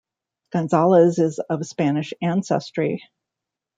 Gonzales is of Spanish ancestry.